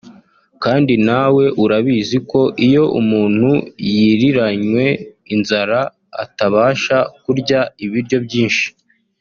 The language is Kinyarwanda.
kandi nawe urabizi ko iyo umuntu yiriranywe inzara atabasha kurya ibiryo byinshi